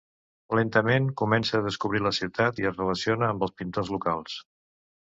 Lentament, comença a descobrir la ciutat i es relaciona amb els pintors locals.